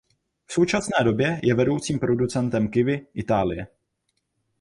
V současné době je vedoucím producentem kiwi Itálie.